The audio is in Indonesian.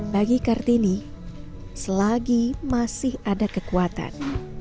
bagi kartini selagi masih ada kekuatan